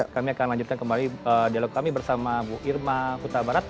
kami akan lanjutkan kembali dialog kami bersama bu irma kuta barat